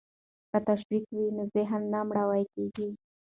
که تشویق وي نو ذهن نه مړاوی کیږي.